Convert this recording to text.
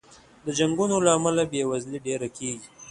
د جنګونو له امله بې وزلي ډېره کېږي.